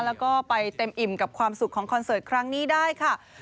แล้วก็ไปเต็มอิ่มกับความสุขของคอนเสิร์ตครั้งนี้ได้ค่ะ